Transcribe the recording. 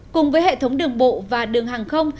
cùng với hệ thống đường bộ và đường hàng không